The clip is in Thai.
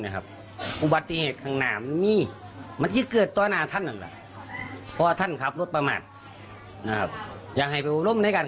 เอาเสียก็ได้เสียลูกผมน่ะล่ะอุ้มว่าลูกผมไปโรงพยาบาลสักวัน